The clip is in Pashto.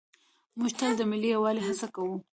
موږ تل د ملي یووالي هڅه کوو.